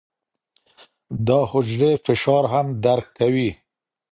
دا حجرې فشار هم درک کوي.